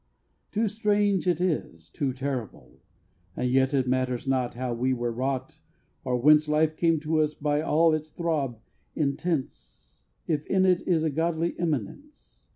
Too strange it is, too terrible! And yet It matters not how we were wrought or whence Life came to us with all its throb intense If in it is a Godly Immanence.